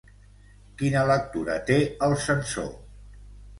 Quina lectura té el sensor?